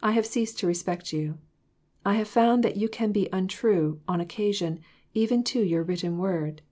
I have ceased to respect you. I have found that you can be untrue, on occasion, to even your written word.